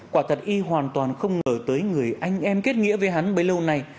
quả tật y hoàn toàn không ngờ tới người anh em kết nghĩa với hắn bấy lâu nay